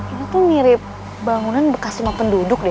ini tuh mirip bangunan bekas rumah penduduk nih